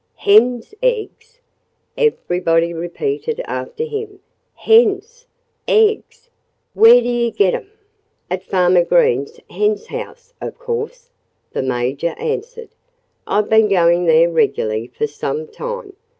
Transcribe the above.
"Hens' eggs!" everybody repeated after him. "Hens' eggs! Where do you get 'em?" "At Farmer Green's henhouse, of course," the Major answered. "I've been going there regularly for some time.